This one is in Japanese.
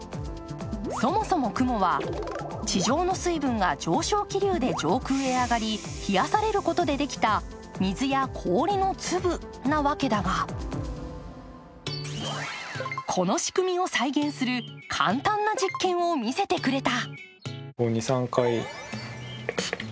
そもそも雲は、地上の水分が上昇気流で上空に上がり冷やされることでできた水や氷の粒なわけだがこの仕組みを再現する簡単な実験を見せてくれた。